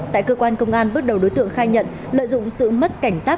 tại cơ quan công an bước đầu đối tượng khai nhận lợi dụng sự mất cảnh giác